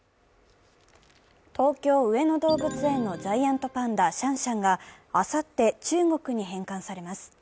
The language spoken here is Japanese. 東京・上野動物園のジャイアントパンダ、シャンシャンがあさって、中国に返還されます。